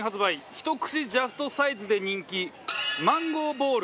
ひと口ジャストサイズで人気マンゴーボール。